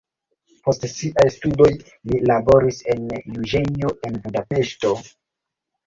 Post siaj studoj li laboris en juĝejo en Budapeŝto.